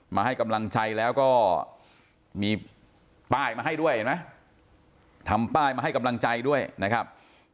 มาให้กำลังใจแล้วก็มีป้ายมาให้ด้วยเห็นไหมทำป้ายมาให้กำลังใจด้วยนะครับ